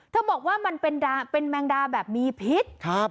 เธอบอกว่ามันเป็นดาเป็นแมงดาแบบมีพิษครับ